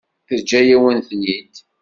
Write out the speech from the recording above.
Teǧǧa-yawen-ten-id.